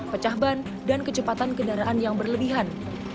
pecah ban dan kecepatan kendaraan yang berlebihan